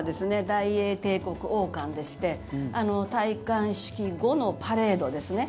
大英帝国王冠でして戴冠式後のパレードですね。